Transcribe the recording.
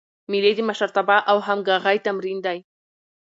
مېلې د مشرتابه او همږغۍ تمرین دئ.